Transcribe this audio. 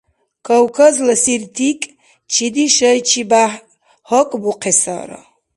Кавказла сиртикӀ чиди шайчибяхӀ гьакӀбухъесара?